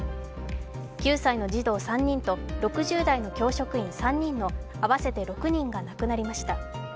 ９歳の児童３人と６０代の教職員３人の合わせて６人が亡くなりました。